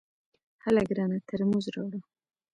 هله ګرانه ترموز راوړه !